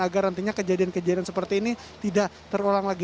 agar nantinya kejadian kejadian seperti ini tidak terulang lagi